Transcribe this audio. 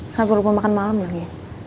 saya baru mau makan malam lagi